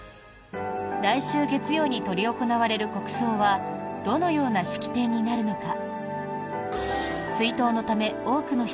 来週月曜に執り行われる国葬はどのような式典になるのか。